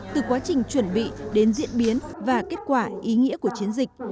từ quá trình chuẩn bị đến diễn biến và kết quả ý nghĩa của chiến dịch